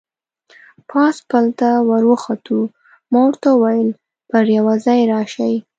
پاس پل ته ور وخوتو، ما ورته وویل: پر یوه ځای راشئ.